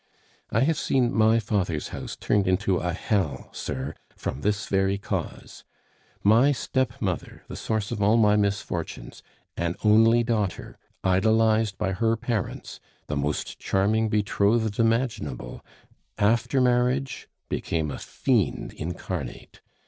I have seen my father's house turned into a hell, sir, from this very cause. My stepmother, the source of all my misfortunes, an only daughter, idolized by her parents, the most charming betrothed imaginable, after marriage became a fiend incarnate.